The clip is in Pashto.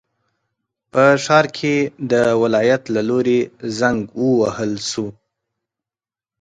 په ښار کې د ولایت له لوري زنګ ووهل شو.